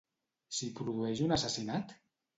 S'hi produeix un assassinat?